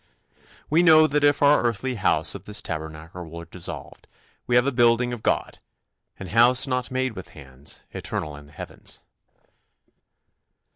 "We know that if our earthly house of this tabernacle were dissolved, we have a building of God, an house not made with hands, eternal in the heavens."